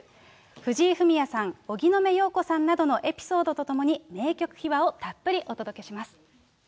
藤井フミヤさん、荻野目洋子さんなどのエピソードとともに名曲秘話をたっぷりお届けします。